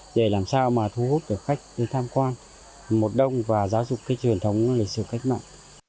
để làm sao mà thu hút được khách đến tham quan một đông và giáo dục cái truyền thống lịch sử cách mạng